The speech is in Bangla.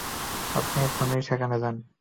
আপনি এক্ষুনি সেখানে যান।